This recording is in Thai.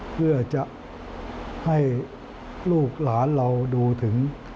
เพื่อจะให้ลูกหลานเราดูถึง